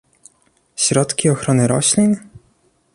Środki ochrony roślin?